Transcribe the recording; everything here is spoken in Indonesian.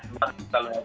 semangat selalu happy